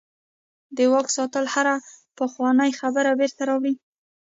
د واک ساتل هره پخوانۍ خبره بیرته راولي.